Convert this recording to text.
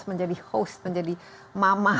menjadi host menjadi mama